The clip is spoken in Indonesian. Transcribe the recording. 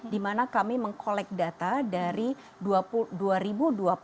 di mana kami mengkolek data dari dua ribu dua puluh